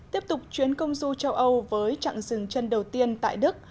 tiếp tục chuyến công du châu âu với trạng rừng chân đầu tiên tại đức